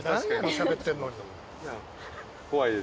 しゃべってんのに。